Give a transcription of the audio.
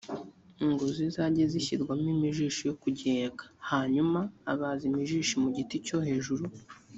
ngo zizajye zishyirwamo imijishi yo kugiheka hanyuma abaza imijishi mu giti cyo hejuru